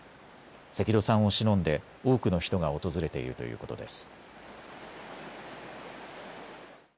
関戸さんをしのんで多くの人が訪れているということです。